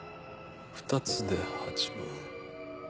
「２つで８万」。